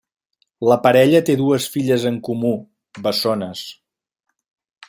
La parella té dues filles en comú, bessones.